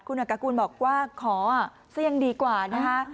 คุณอากากูลบอกว่าขอเสี่ยงดีกว่านะคะ